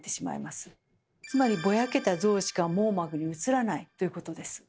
つまりぼやけた像しか網膜に映らないということです。